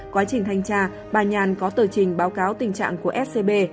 quá trình thanh tra bà nhàn có tờ trình báo cáo tình trạng của scb